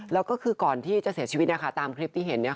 แล้วก็คือก่อนที่จะเสียชีวิตตามคลิปที่เห็น